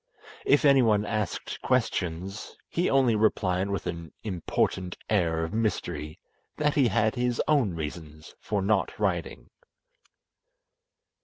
If anyone asked questions, he only replied with an important air of mystery that he had his own reasons for not riding.